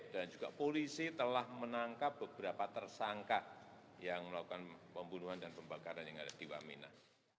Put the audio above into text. dan juga polisi telah menangkap beberapa tersangka yang melakukan pembunuhan dan pembakaran yang ada di wamenah